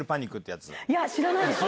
いや、知らないです。